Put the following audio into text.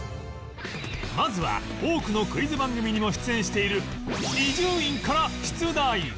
まずは多くのクイズ番組にも出演している伊集院から出題